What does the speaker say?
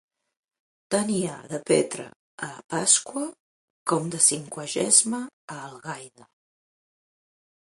Tant hi ha de Petra a Pasqua com de Cinquagesma a Algaida.